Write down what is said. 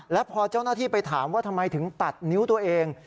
แล้วพอเจ้าหน้าที่ไปถามว่าทำไมถึงตัดนิ้วตัวเอง